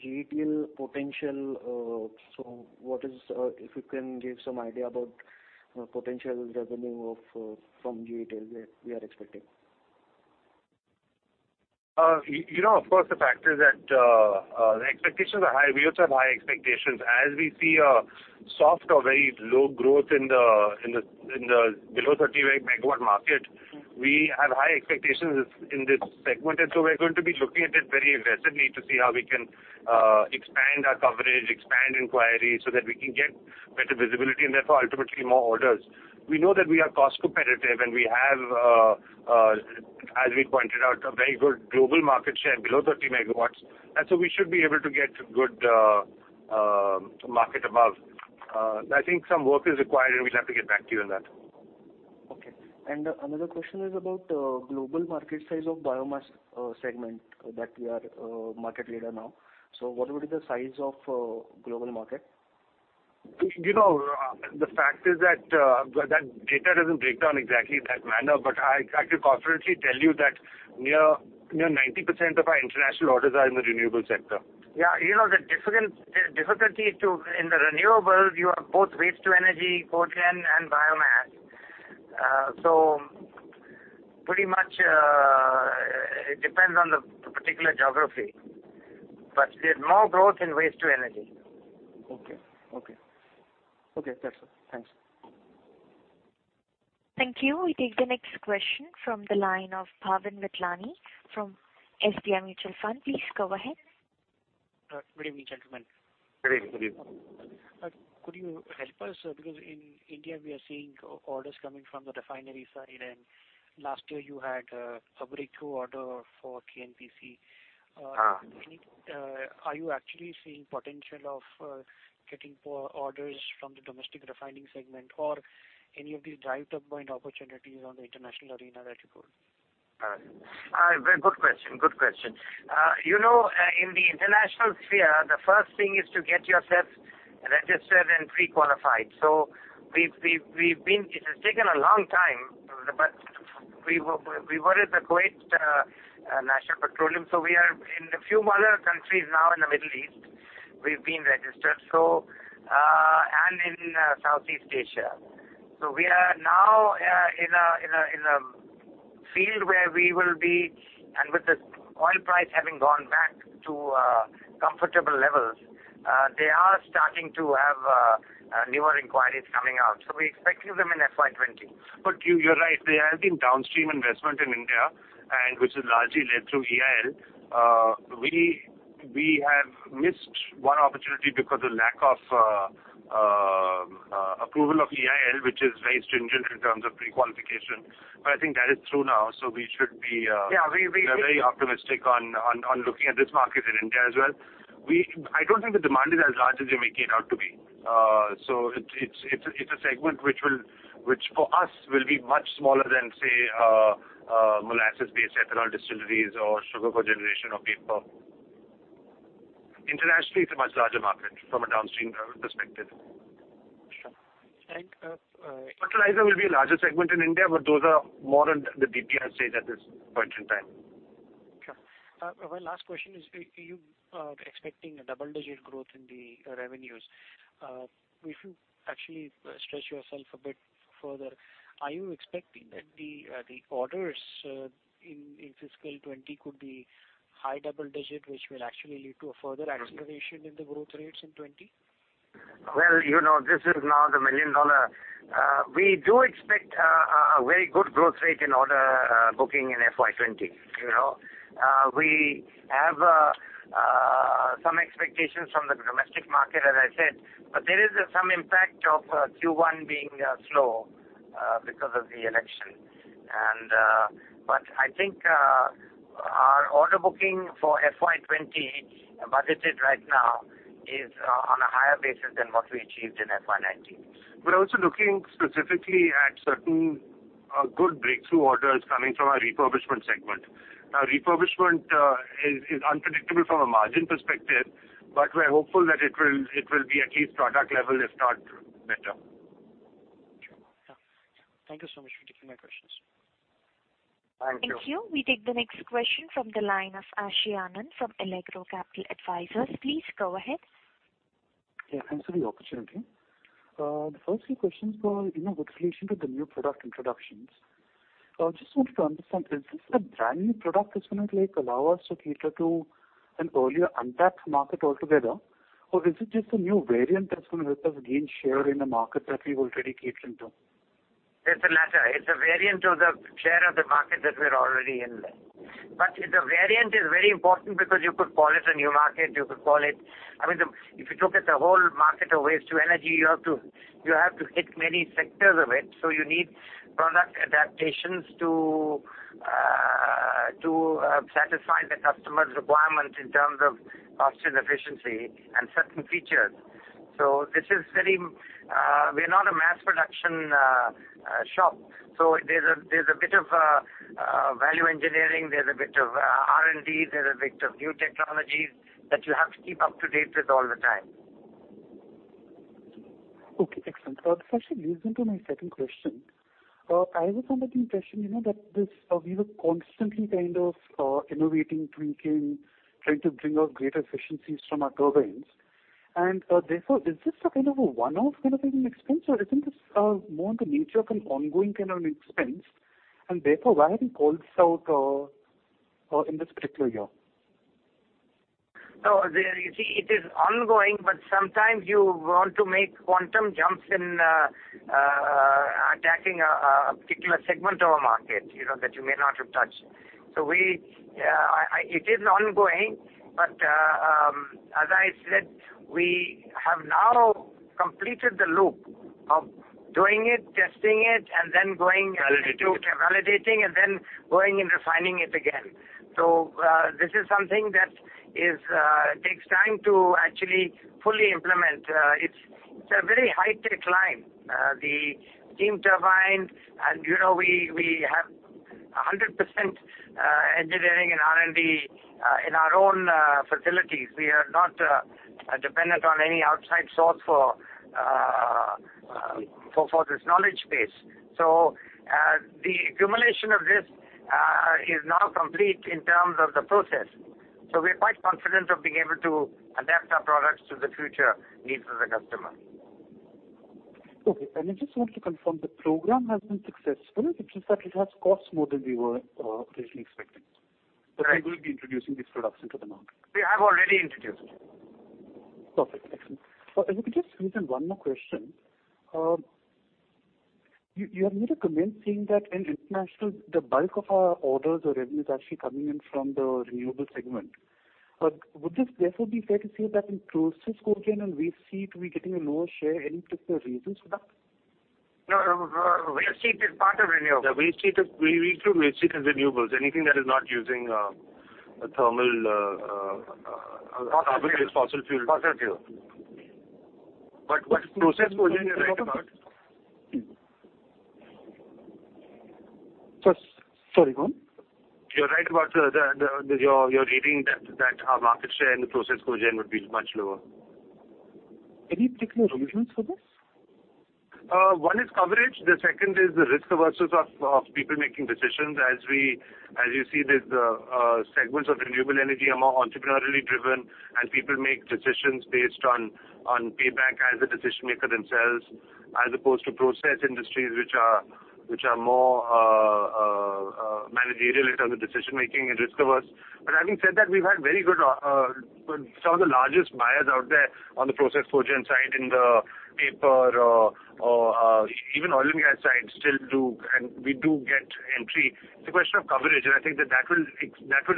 Speaker 10: GETL potential. If you can give some idea about potential revenue from GETL that we are expecting.
Speaker 5: Of course, the fact is that the expectations are high. We also have high expectations. As we see a soft or very low growth in the below 30 MW market, we have high expectations in this segment, and so we're going to be looking at it very aggressively to see how we can expand our coverage, expand inquiry so that we can get better visibility and therefore ultimately more orders. We know that we are cost competitive and we have, as we pointed out, a very good global market share below 30 MW, and so we should be able to get good market above. I think some work is required and we'll have to get back to you on that.
Speaker 10: Okay. Another question is about global market size of biomass segment that we are market leader now. What would be the size of global market?
Speaker 5: The fact is that data doesn't break down exactly in that manner. I can confidently tell you that near 90% of our international orders are in the renewable sector.
Speaker 3: Yeah. The difficulty in the renewable, you have both waste to energy, coal gen, and biomass. Pretty much it depends on the particular geography. There's more growth in waste to energy.
Speaker 10: Okay. That's it. Thanks.
Speaker 1: Thank you. We take the next question from the line of Bhavin Vithlani from SBI Mutual Fund. Please go ahead.
Speaker 11: Good evening, gentlemen.
Speaker 3: Good evening.
Speaker 11: Could you help us? In India, we are seeing orders coming from the refinery side, and last year you had a breakthrough order for KNPC. Are you actually seeing potential of getting orders from the domestic refining segment or any of these drive turbine opportunities on the international arena that you could?
Speaker 3: Good question. In the international sphere, the first thing is to get yourself registered and pre-qualified. It has taken a long time, but we were with the Kuwait National Petroleum. We are in a few more other countries now in the Middle East, we've been registered, and in Southeast Asia. We are now in a field where we will be, and with the oil price having gone back to comfortable levels, they are starting to have newer inquiries coming out. We're expecting them in FY 2020.
Speaker 5: You're right. There has been downstream investment in India, and which is largely led through EIL. We have missed one opportunity because of lack of approval of EIL, which is very stringent in terms of pre-qualification. I think that is through now.
Speaker 3: Yeah
Speaker 5: very optimistic on looking at this market in India as well. I don't think the demand is as large as you make it out to be. It's a segment which, for us, will be much smaller than, say, molasses-based ethanol distilleries or sugar cogeneration or pulp. Internationally, it's a much larger market from a downstream perspective.
Speaker 11: Sure.
Speaker 5: Fertilizer will be a larger segment in India, but those are more on the DPR stage at this point in time.
Speaker 11: Sure. My last question is, you are expecting a double-digit growth in the revenues. If you actually stretch yourself a bit further, are you expecting that the orders in fiscal 2020 could be high double-digit, which will actually lead to a further acceleration in the growth rates in 2020?
Speaker 3: Well, this is now the million dollar. We do expect a very good growth rate in order booking in FY 2020. We have some expectations from the domestic market, as I said, there is some impact of Q1 being slow because of the election. I think our order booking for FY 2020, budgeted right now, is on a higher basis than what we achieved in FY 2019.
Speaker 5: We're also looking specifically at certain good breakthrough orders coming from our refurbishment segment. Refurbishment is unpredictable from a margin perspective, we're hopeful that it will be at least product level, if not better.
Speaker 11: Sure. Yeah. Thank you so much for taking my questions.
Speaker 3: Thank you.
Speaker 1: Thank you. We take the next question from the line of Ashi Anand from Allegro Capital Advisors. Please go ahead.
Speaker 12: Yeah. Thanks for the opportunity. The first few questions were with relation to the new product introductions. Just wanted to understand, is this a brand-new product that's going to allow us to cater to an earlier untapped market altogether, or is it just a new variant that's going to help us gain share in the market that we already cater to?
Speaker 3: It's the latter. It's a variant of the share of the market that we're already in. The variant is very important because you could call it a new market. If you look at the whole market of waste to energy, you have to hit many sectors of it. You need product adaptations to satisfy the customer's requirement in terms of cost and efficiency and certain features. We're not a mass production shop. There's a bit of value engineering, there's a bit of R&D, there's a bit of new technologies that you have to keep up to date with all the time.
Speaker 12: Okay, excellent. This actually leads into my second question. I was under the impression that we were constantly innovating, tweaking, trying to bring out greater efficiencies from our turbines. Therefore, is this a one-off kind of an expense, or is this more in the nature of an ongoing kind of an expense? Therefore, why have you called this out in this particular year?
Speaker 3: No, you see, it is ongoing. Sometimes you want to make quantum jumps in attacking a particular segment of a market that you may not have touched. It is ongoing, but as I said, we have now completed the loop of doing it, testing it.
Speaker 12: Validating
Speaker 3: validating, going and refining it again. This is something that takes time to actually fully implement. It is a very high-tech line, the steam turbine, and we have 100% engineering and R&D in our own facilities. We are not dependent on any outside source for this knowledge base. The accumulation of this is now complete in terms of the process. We are quite confident of being able to adapt our products to the future needs of the customer.
Speaker 12: Okay. I just want to confirm, the program has been successful. It is just that it has cost more than we were originally expecting.
Speaker 3: Right.
Speaker 12: You will be introducing this product into the market.
Speaker 3: We have already introduced it.
Speaker 12: Perfect. Excellent. If I could just squeeze in one more question.
Speaker 3: Sure.
Speaker 12: You have made a comment saying that in international, the bulk of our orders or revenue is actually coming in from the renewable segment. Would it therefore be fair to say that in process cogen and waste heat, we're getting a lower share? Any particular reasons for that?
Speaker 3: No. Waste heat is part of renewable. Yeah. We include waste heat as renewables. Anything that is not using a thermal. Fossil fuel. Carbon-based fossil fuel. Fossil fuel.
Speaker 12: What process cogen is right about? Sorry, go on.
Speaker 5: You are right about your reading that our market share in the process cogen would be much lower.
Speaker 12: Any particular reasons for this?
Speaker 5: One is coverage. The second is the risk averseness of people making decisions. As you see, these segments of renewable energy are more entrepreneurially driven, and people make decisions based on payback as a decision-maker themselves, as opposed to process industries, which are more managerial in terms of decision-making and risk-averse. Having said that, we've had very good with some of the largest buyers out there on the process cogen side in the paper or even oil and gas side still do, and we do get entry. It's a question of coverage, and I think that will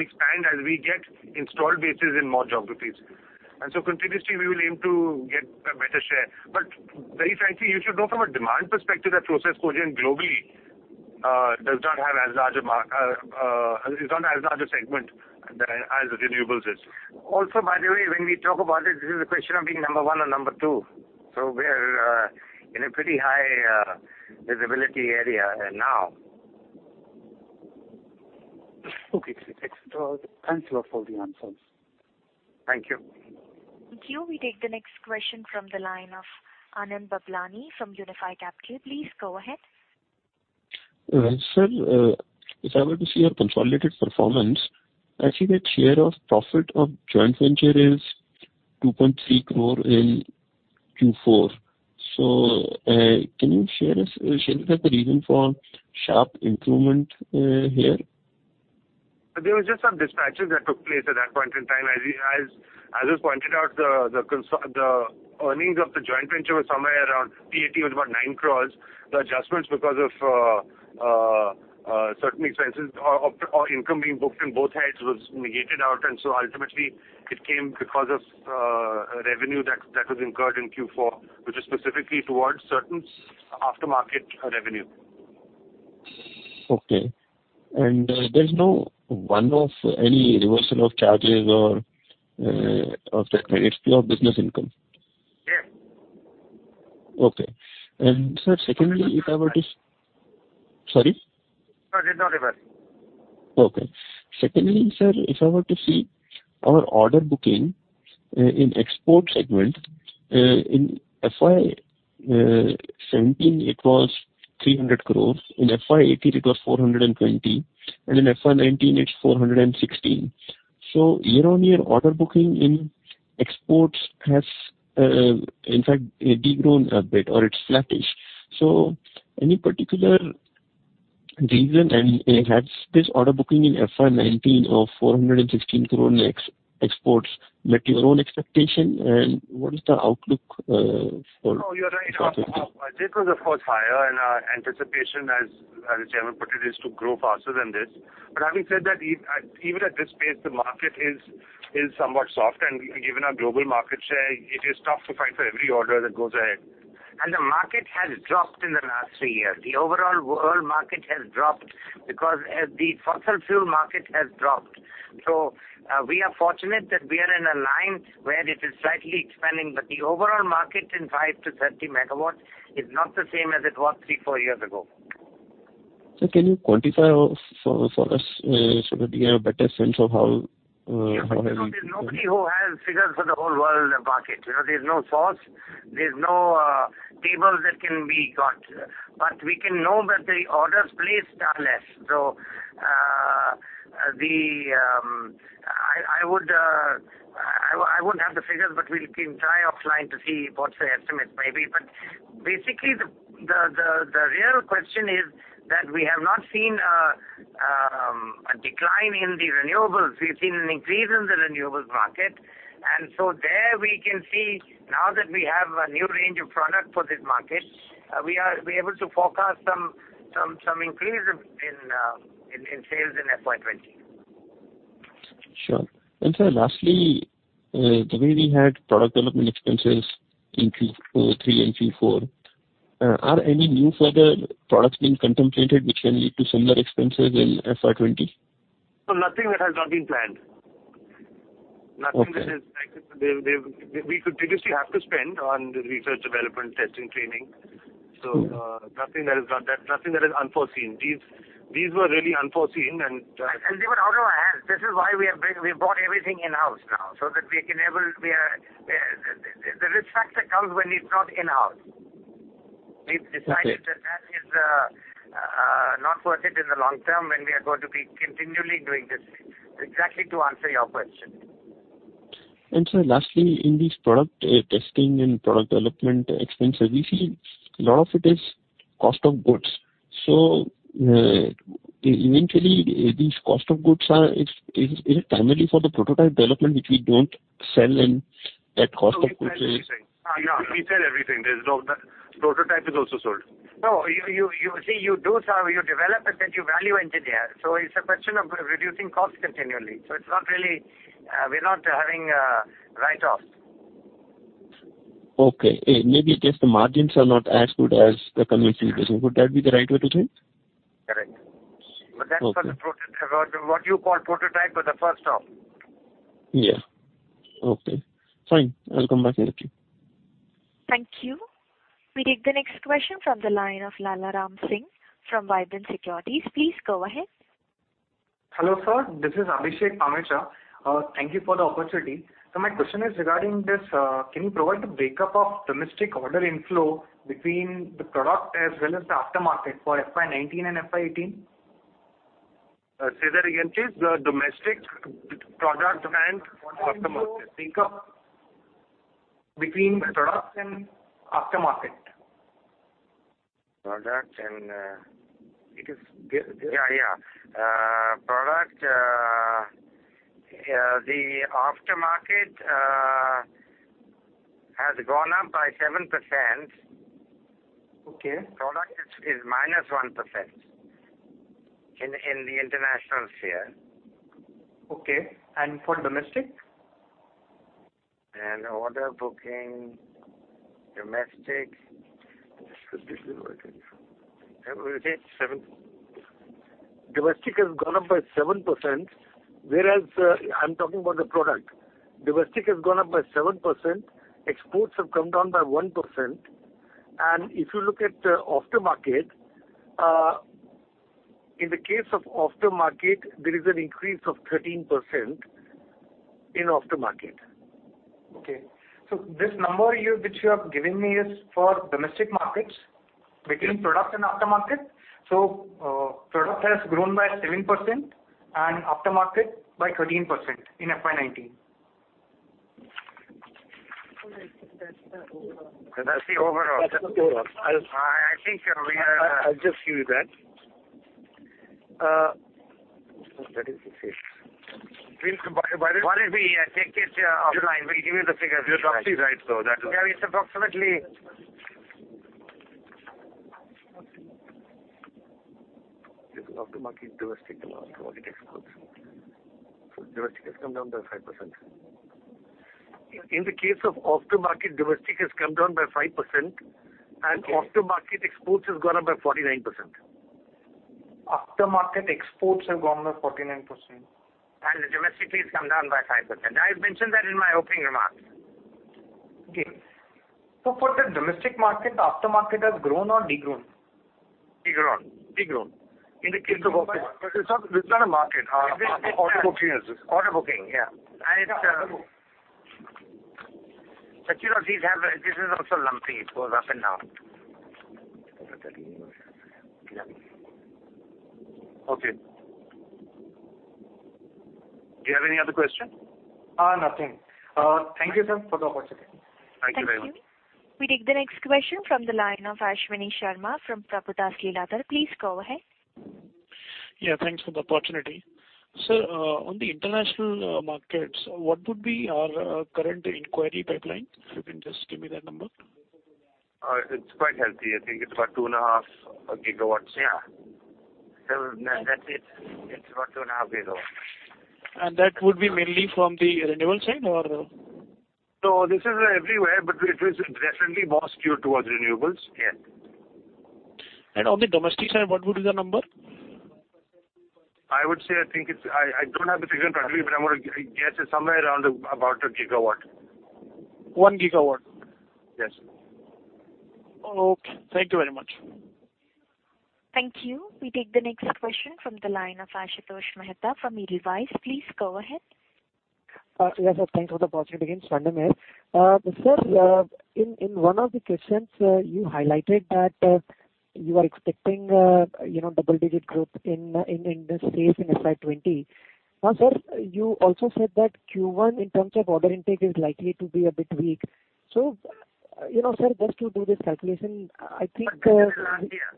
Speaker 5: expand as we get installed bases in more geographies. Continuously, we will aim to get a better share. Very frankly, you should know from a demand perspective that process cogen globally is not as large a segment as renewables is.
Speaker 3: By the way, when we talk about it, this is a question of being number one or number two. We're in a pretty high visibility area now.
Speaker 12: Thanks a lot for the answers.
Speaker 3: Thank you.
Speaker 1: Thank you. We take the next question from the line of Anand Bablani from Unifi Capital. Please go ahead.
Speaker 13: Sir, if I were to see your consolidated performance, I see that share of profit of joint venture is 2.3 crore in Q4. Can you share with us the reason for sharp improvement here?
Speaker 5: There was just some dispatches that took place at that point in time. As you pointed out, the earnings of the joint venture was somewhere around, PAT was about 9 crores. The adjustments because of certain expenses or income being booked on both sides was negated out, ultimately it came because of revenue that was incurred in Q4, which is specifically towards certain aftermarket revenue.
Speaker 13: Okay. There's no one-off any reversal of charges or of that nature. It's pure business income.
Speaker 3: Yes.
Speaker 13: Okay. Sir, secondly, if I were to
Speaker 3: No reversal.
Speaker 13: Sorry?
Speaker 3: Sorry. No reversal.
Speaker 13: Secondly, sir, if I were to see our order booking in export segment, in FY 2017, it was 300 crore. In FY 2018, it was 420, and in FY 2019, it's 416. Year-over-year, order booking in exports has in fact de-grown a bit or it's flattish. Any particular reason, and has this order booking in FY 2019 of 416 crore in exports met your own expectation, and what is the outlook for-
Speaker 5: No, you're right. Our budget was, of course, higher, our anticipation, as the Chairman put it, is to grow faster than this. Having said that, even at this pace, the market is somewhat soft, and given our global market share, it is tough to fight for every order that goes ahead.
Speaker 3: The market has dropped in the last three years. The overall world market has dropped because the fossil fuel market has dropped. We are fortunate that we are in a line where it is slightly expanding, but the overall market in 5 MW-30 MW is not the same as it was three, four years ago.
Speaker 13: Sir, can you quantify all for us so that we have a better sense of how.
Speaker 3: There's nobody who has figures for the whole world market. There's no source. There's no tables that can be got. We can know that the orders placed are less. I wouldn't have the figures, but we can try offline to see what the estimates may be. Basically, the real question is that we have not seen a decline in the renewables. We've seen an increase in the renewables market. There we can see now that we have a new range of product for this market, we are able to forecast some increase in sales in FY 2020.
Speaker 13: Sure. Sir, lastly, Triveni had product development expenses in Q3 and Q4. Are any new further products being contemplated which can lead to similar expenses in FY 2020?
Speaker 5: nothing that has not been planned.
Speaker 13: Okay.
Speaker 5: Nothing that is We continuously have to spend on research development, testing, training. nothing that is unforeseen. These were really unforeseen.
Speaker 3: they were out of our hands. This is why we bought everything in-house now, so that we are enable. The risk factor comes when it's not in-house.
Speaker 13: Okay.
Speaker 3: We've decided that is not worth it in the long term when we are going to be continually doing this. Exactly to answer your question.
Speaker 13: Sir, lastly, in these product testing and product development expenses, we see a lot of it is cost of goods. Eventually, these cost of goods, is it primarily for the prototype development which we don't sell?
Speaker 5: No, we sell everything. Prototype is also sold.
Speaker 3: You see, you develop it and you value engineer. It's a question of reducing costs continually. We're not having a write-off.
Speaker 13: Okay. Maybe it is the margins are not as good as the company feels. Would that be the right way to think?
Speaker 3: Correct.
Speaker 13: Okay.
Speaker 3: That's what you call prototype for the first off.
Speaker 13: Yeah. Okay, fine. I'll come back later.
Speaker 1: Thank you. We take the next question from the line of Lalaram Singh from Vibrant Securities. Please go ahead.
Speaker 14: Hello, sir. This is Abhishek Pamecha. Thank you for the opportunity. My question is regarding this, can you provide the breakup of domestic order inflow between the product as well as the aftermarket for FY 2019 and FY 2018?
Speaker 5: Say that again, please. Domestic product and aftermarket.
Speaker 14: Inflow breakup between product and aftermarket.
Speaker 5: Product and
Speaker 3: It is-
Speaker 5: Yeah. Product, the aftermarket has gone up by 7%.
Speaker 14: Okay.
Speaker 5: Product is -1% in the international sphere.
Speaker 14: Okay. For domestic?
Speaker 5: Order booking domestic. This should be working.
Speaker 3: Domestic has gone up by 7%, whereas I'm talking about the product. Domestic has gone up by 7%, exports have come down by 1%, and if you look at aftermarket, in the case of aftermarket, there is an increase of 13% in aftermarket.
Speaker 14: This number which you have given me is for domestic markets between product and aftermarket. Product has grown by 7% and aftermarket by 13% in FY 2019.
Speaker 3: No, I think that's the overall.
Speaker 5: That's the overall.
Speaker 3: That's the overall.
Speaker 5: I think we are-
Speaker 3: I'll just give you that. That is the case.
Speaker 5: Why don't we take it offline. We'll give you the figures.
Speaker 3: You're absolutely right, though.
Speaker 5: Yeah, it's approximately
Speaker 3: This is aftermarket domestic and aftermarket exports. Domestic has come down by 5%. In the case of aftermarket, domestic has come down by 5%, and aftermarket exports has gone up by 49%.
Speaker 14: Aftermarket exports have gone by 49%.
Speaker 5: The domestic has come down by 5%. I've mentioned that in my opening remarks.
Speaker 14: Okay. For the domestic market, aftermarket has grown or degrown?
Speaker 5: Degrown.
Speaker 14: Degrown.
Speaker 5: In the case of aftermarket.
Speaker 3: It's not a market. Order booking is.
Speaker 5: Order booking, yeah. This is also lumpy. It goes up and down. Okay. Do you have any other question?
Speaker 14: Nothing. Thank you, sir, for the opportunity.
Speaker 5: Thank you very much.
Speaker 1: Thank you. We take the next question from the line of Ashwini Sharma from Prabhudas Lilladher. Please go ahead.
Speaker 15: Yeah, thanks for the opportunity. Sir, on the international markets, what would be our current inquiry pipeline? If you can just give me that number.
Speaker 5: It's quite healthy. I think it's about two and a half gigawatts.
Speaker 3: Yeah.
Speaker 5: That's it. It's about two and a half gigawatts.
Speaker 15: That would be mainly from the renewable side or?
Speaker 5: No, this is everywhere, but it is definitely more skewed towards renewables.
Speaker 15: On the domestic side, what would be the number?
Speaker 5: I would say, I don't have the figure in front of me, but I'm going to guess it's somewhere around about a gigawatt.
Speaker 15: One gigawatt?
Speaker 5: Yes.
Speaker 15: Okay. Thank you very much.
Speaker 1: Thank you. We take the next question from the line of Ashutosh Mehta from Edelweiss. Please go ahead.
Speaker 4: Yes, sir. Thanks for the opportunity again. Sir, in one of the questions, you highlighted that you are expecting double-digit growth in the sales in FY 2020. Now, sir, you also said that Q1 in terms of order intake is likely to be a bit weak. Sir, just to do this calculation, I think-
Speaker 5: Better than last year.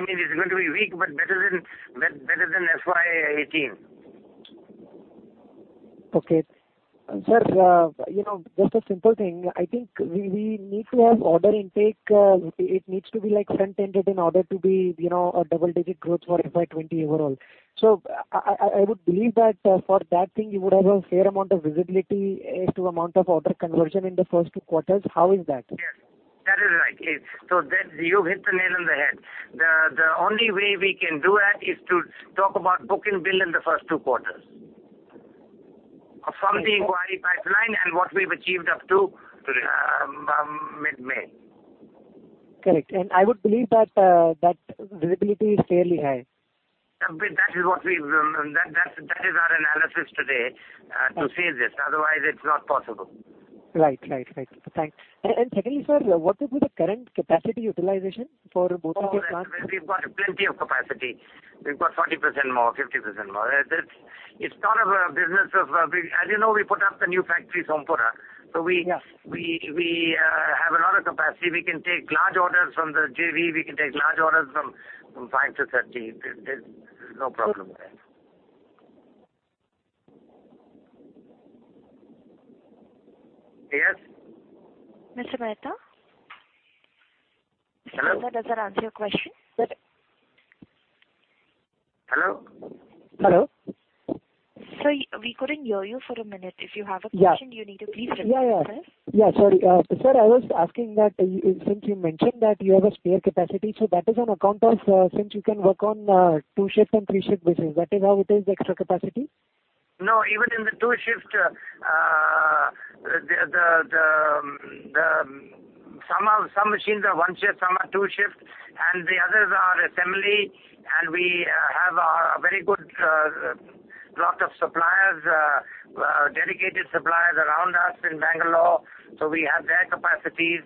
Speaker 5: I mean, it's going to be weak, but better than FY 2018.
Speaker 4: Okay. Sir, just a simple thing. I think we need to have order intake. It needs to be front-ended in order to be a double-digit growth for FY20 overall. I would believe that for that thing, you would have a fair amount of visibility as to amount of order conversion in the first two quarters. How is that?
Speaker 5: Yes, that is right. You hit the nail on the head. The only way we can do that is to talk about book and bill in the first two quarters. From the inquiry pipeline and what we've achieved up to mid-May.
Speaker 4: Correct. I would believe that visibility is fairly high.
Speaker 5: That is our analysis today to say this. Otherwise, it's not possible.
Speaker 4: Right. Thanks. Secondly, sir, what would be the current capacity utilization for both of your plants?
Speaker 5: We've got plenty of capacity. We've got 40% more, 50% more.
Speaker 3: As you know, we put up the new factory Sompura.
Speaker 5: Yeah.
Speaker 3: We have a lot of capacity. We can take large orders from the JV, we can take large orders from 5-30. There's no problem there. Yes.
Speaker 5: Mr. Mehta?
Speaker 3: Hello.
Speaker 5: Mr. Mehta, does that answer your question?
Speaker 3: Hello?
Speaker 5: Hello. Sir, we couldn't hear you for a minute. If you have a question, you need to please repeat, sir.
Speaker 4: Yeah, sorry. Sir, I was asking that since you mentioned that you have a spare capacity, so that is on account of since you can work on two-shift and three-shift basis, that is how it is the extra capacity?
Speaker 3: No, even in the two-shift, some machines are one-shift, some are two-shift, and the others are assembly, and we have a very good lot of suppliers, dedicated suppliers around us in Bengaluru, so we have their capacities.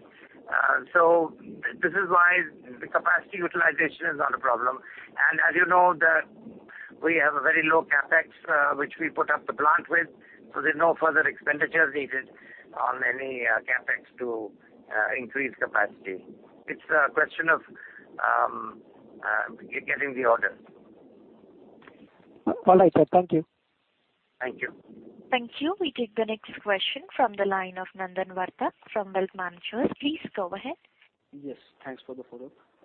Speaker 3: This is why the capacity utilization is not a problem. As you know, we have a very low CapEx, which we put up the plant with, so there's no further expenditure needed on any CapEx to increase capacity. It's a question of getting the order.
Speaker 4: All right, sir. Thank you.
Speaker 3: Thank you.
Speaker 1: Thank you. We take the next question from the line of Nandan Vartak from Wealth Managers. Please go ahead.
Speaker 10: Yes, thanks for the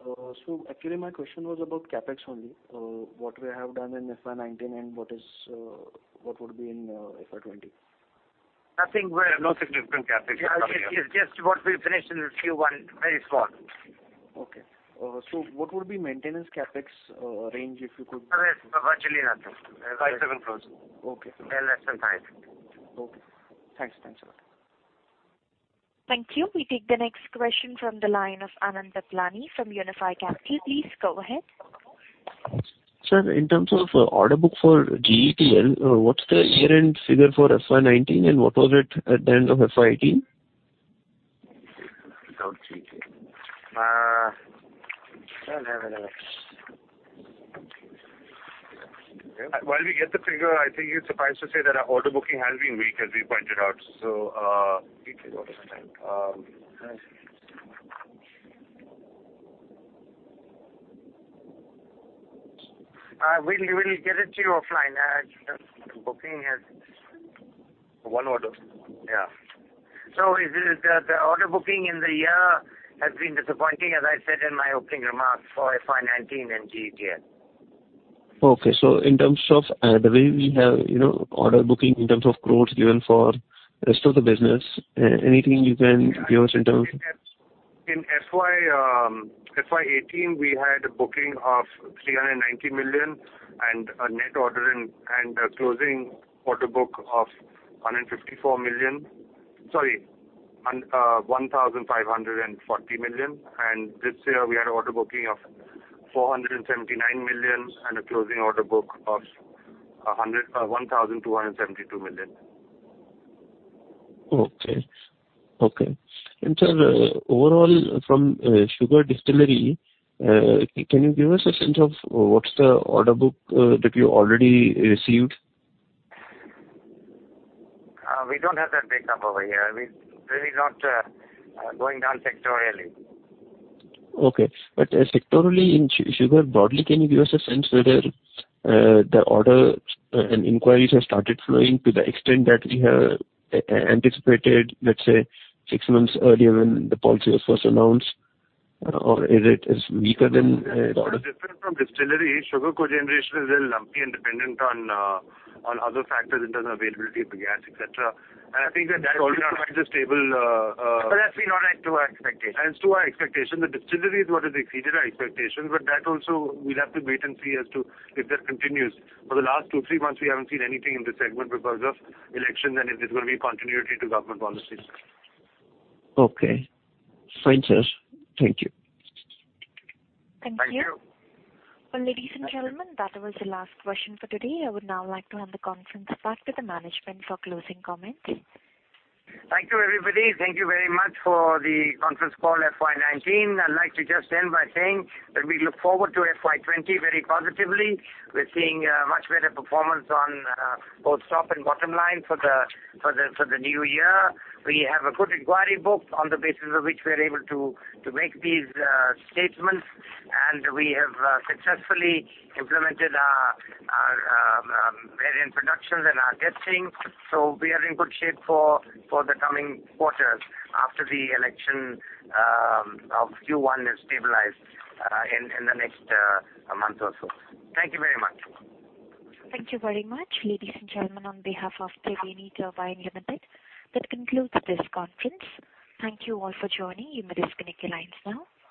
Speaker 10: follow-up. Actually, my question was about CapEx only. What we have done in FY19 and what would be in FY20?
Speaker 3: Nothing very-
Speaker 5: No significant CapEx coming up.
Speaker 3: Just what we finished in Q1, very small.
Speaker 10: Okay. What would be maintenance CapEx range, if you could-
Speaker 3: Sir, it's virtually nothing. 5 crore-7 crore.
Speaker 10: Okay.
Speaker 3: Well, less than 5 crore.
Speaker 10: Okay. Thanks a lot.
Speaker 1: Thank you. We take the next question from the line of Anand Bablani from Unifi Capital. Please go ahead.
Speaker 13: Sir, in terms of order book for GETL, what's the year-end figure for FY 2019, and what was it at the end of FY 2018?
Speaker 3: We don't see it. No.
Speaker 5: While we get the figure, I think it's suffice to say that our order booking has been weak, as we pointed out.
Speaker 3: We will get it to you offline. The booking has.
Speaker 13: One order.
Speaker 3: Yeah. The order booking in the year has been disappointing, as I said in my opening remarks, for FY 2019 and GETL.
Speaker 13: Okay. In terms of the way we have order booking in terms of crores given for rest of the business, anything you can give us in terms of.
Speaker 5: In FY 2018, we had a booking of 390 million and a net order and closing order book of 154 million. Sorry, 1,540 million. This year we had an order booking of 479 million and a closing order book of 1,272 million.
Speaker 13: Okay. Sir, overall from sugar distillery, can you give us a sense of what's the order book that you already received?
Speaker 3: We don't have that break up over here. We're really not going down sectorially.
Speaker 13: Okay. Sectorially in sugar broadly, can you give us a sense whether the order and inquiries have started flowing to the extent that we have anticipated, let's say, six months earlier when the policy was first announced? Or is it weaker than?
Speaker 5: It's different from distillery. Sugar cogeneration is a little lumpy and dependent on other factors in terms of availability of gas, et cetera. I think that that also finds a stable.
Speaker 3: That's been on par to our expectation.
Speaker 5: As to our expectation. The distillery is what has exceeded our expectation. That also, we'll have to wait and see as to if that continues. For the last two, three months, we haven't seen anything in this segment because of elections and if there's going to be continuity to government policies.
Speaker 13: Okay. Fine, sir. Thank you.
Speaker 3: Thank you.
Speaker 1: Thank you. Ladies and gentlemen, that was the last question for today. I would now like to hand the conference back to the management for closing comments.
Speaker 3: Thank you, everybody. Thank you very much for the conference call FY 2019. I'd like to just end by saying that we look forward to FY 2020 very positively. We're seeing a much better performance on both top and bottom line for the new year. We have a good inquiry book on the basis of which we're able to make these statements, and we have successfully implemented our variant productions and our testing. We are in good shape for the coming quarters after the election of Q1 is stabilized in the next month or so. Thank you very much.
Speaker 1: Thank you very much. Ladies and gentlemen, on behalf of Triveni Turbine Limited, that concludes this conference. Thank you all for joining. You may disconnect your lines now.